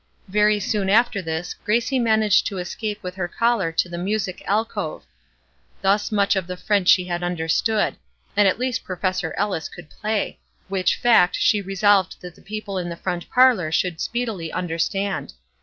Very soon after this Gracie managed to escape with her caller to the music alcove; thus much of the French she had understood, and at least Professor Ellis could play; which fact she resolved that the people in the front parlor should speedily understand.